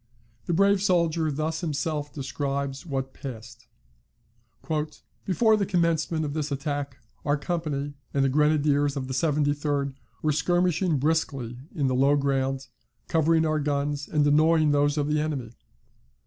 The brave soldier thus himself describes what passed: "Before the commencement of this attack our company and the Grenadiers of the 73d were skirmishing briskly in the low ground, covering our guns, and annoying those of the enemy.